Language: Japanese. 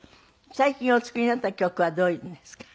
最近お作りになった曲はどういうのですか？